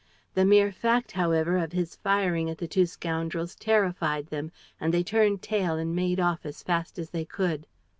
The mere fact, however, of his firing at the two scoundrels terrified them, and they turned tail and made off as fast as they could.